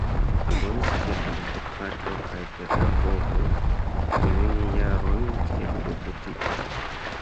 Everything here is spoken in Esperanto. Laboris kiel advokato kaj pedagogo, kvin jarojn kiel deputito.